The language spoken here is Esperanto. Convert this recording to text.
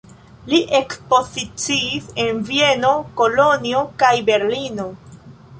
Li ekspoziciis en Vieno, Kolonjo kaj Berlino.